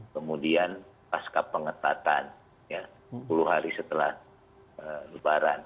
kemudian pasca pengetatan sepuluh hari setelah lebaran